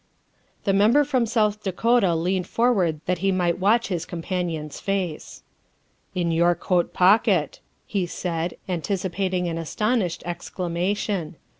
The Member from South Dakota leaned forward that he might watch his companion's face. '' In your coat pocket, '' he said, anticipating an aston ished exclamation.